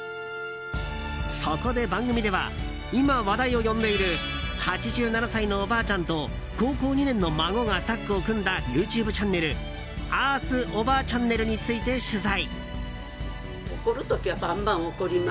そこで番組では今、話題を呼んでいる８７歳のおばあちゃんと高校２年の孫がタッグを組んだＹｏｕＴｕｂｅチャンネル「Ｅａｒｔｈおばあちゃんねる」について取材。